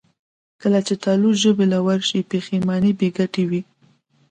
کله چې تالو ژبې له ورشي، پښېماني بېګټې وي.